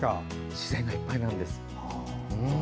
自然がいっぱいなんです。